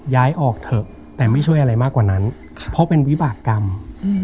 ย้ายออกเถอะแต่ไม่ช่วยอะไรมากกว่านั้นเพราะเป็นวิบากรรม